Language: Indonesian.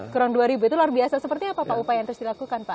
kurang dua ribu itu luar biasa seperti apa pak upaya yang terus dilakukan pak